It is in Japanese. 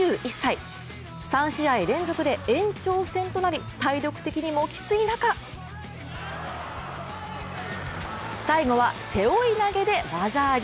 ３試合連続で延長戦となり、体力的にもきつい中最後は背負い投げで技あり。